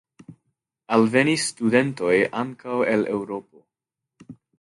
Alvenis studentoj ankaŭ el Eŭropo.